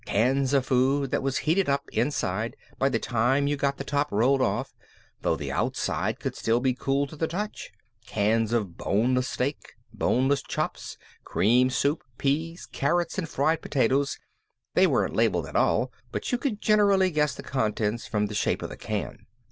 Cans of food that was heated up inside by the time you got the top rolled off, though the outside could still be cool to the touch. Cans of boneless steak, boneless chops, cream soup, peas, carrots, and fried potatoes they weren't labeled at all but you could generally guess the contents from the shape of the can.